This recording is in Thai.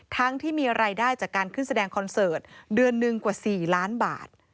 ที่มีรายได้จากการขึ้นแสดงคอนเสิร์ตเดือนหนึ่งกว่า๔ล้านบาท